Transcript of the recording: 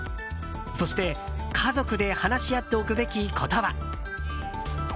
そして、家族で話し合っておくべきことは？